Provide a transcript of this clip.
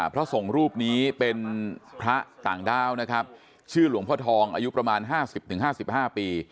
พระสงฆ์รูปนี้เป็นพระต่างด้าวนะครับชื่อหลวงพ่อทองอายุประมาณ๕๐๕๕ปี